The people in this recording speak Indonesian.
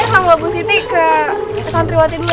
saya mau bawa bu siti ke santriwati dulu ya